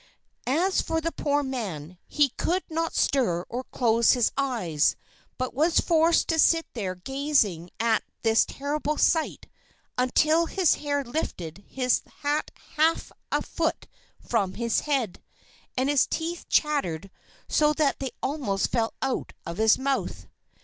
As for the poor man, he could not stir or close his eyes, but was forced to sit there gazing at this terrible sight until his hair lifted his hat half a foot from his head, and his teeth chattered so that they almost fell out of his mouth.